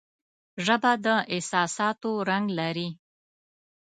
ژبه د احساساتو رنگ لري